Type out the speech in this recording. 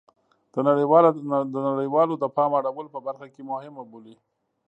د نړیواله د پام اړولو په برخه کې مهمه بولي